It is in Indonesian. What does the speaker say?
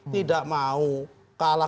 tidak mau kalah